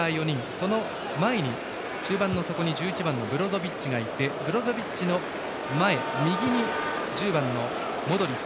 その前に中盤の底に１１番のブロゾビッチがいてブロゾビッチの前、右に１０番のモドリッチ。